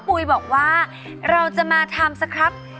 ปุ๋ยบอกว่าเราจะมาทำสักครับ